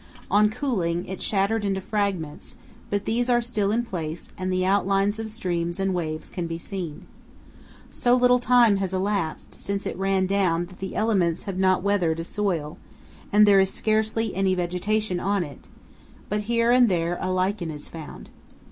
On cooling, it shattered into fragments, but these are still in place and the outlines of streams and waves can be seen. So THE RIO VIRGEN AND THE UINKARET MOUNTAINS. 325 little time has elapsed since it ran down that the elements have not weathered a soil, and there is scarcely any vegetation on it, but here and there a lichen is found.